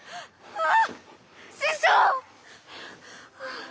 ああ。